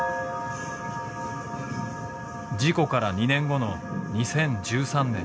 事故から２年後の２０１３年。